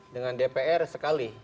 dengan dpr sekali